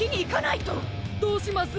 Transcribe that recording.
どうします？